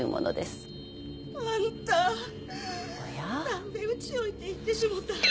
何でうちを置いていってしもたん？